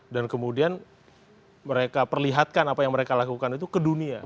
dan kemudian mereka perlihatkan apa yang mereka lakukan itu ke dunia